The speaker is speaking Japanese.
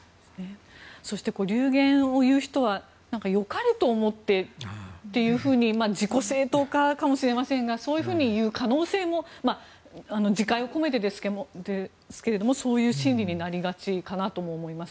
そして、流言を言う人は良かれと思ってというふうに自己正当化かもしれませんがそういうふうに言う可能性も自戒を込めてですけれどもそういう心理になりがちかなとも思います。